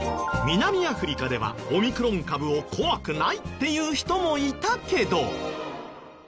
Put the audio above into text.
南アフリカではオミクロン株を怖くないっていう人もいたけど。